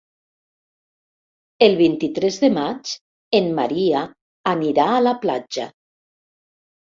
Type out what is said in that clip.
El vint-i-tres de maig en Maria anirà a la platja.